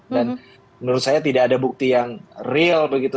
dan menurut saya tidak ada bukti yang real begitu